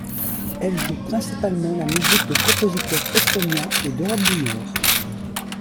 Elle joue principalement la musique de compositeurs estoniens et d’Europe du Nord.